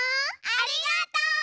ありがとう！